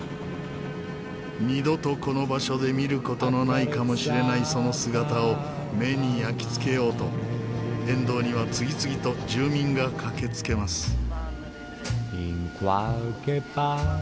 二度とこの場所で見る事のないかもしれないその姿を目に焼きつけようと沿道には次々と住民が駆けつけます。